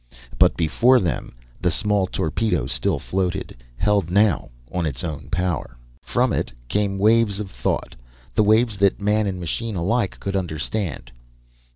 But before them, the small torpedo still floated, held now on its own power! From it came waves of thought, the waves that man and machine alike could understand.